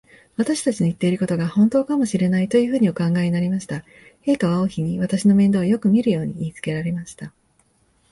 私たちの言ってることが、ほんとかもしれない、というふうにお考えになりました。陛下は王妃に、私の面倒をよくみるように言いつけられました。